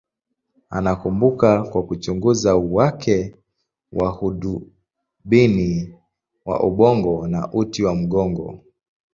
Anakumbukwa kwa uchunguzi wake wa hadubini wa ubongo na uti wa mgongo.